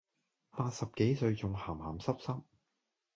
八十幾歲仲咸咸濕濕